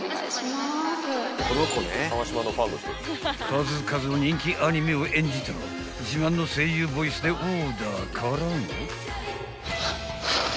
［数々の人気アニメを演じた自慢の声優ボイスでオーダーからの］